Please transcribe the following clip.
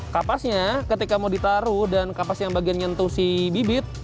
kapasnya ketika mau ditaruh dan kapas yang bagian nyentuh si bibit